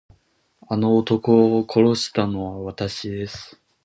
あの男を殺したのはわたしです。